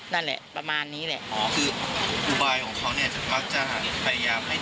นั่นแหละประมาณนี้แหละอ๋อคืออุบายของเขาเนี้ยจะมักจะพยายามให้เดินไปในที่เผรี่ยว